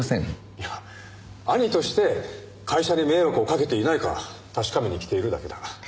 いや兄として会社に迷惑をかけていないか確かめに来ているだけだ。